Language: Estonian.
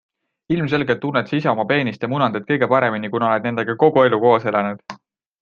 Ilmselgelt tunned sa ise oma peenist ja munandeid kõige paremini, kuna oled nendega kogu elu koos elanud.